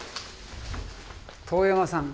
當山さん？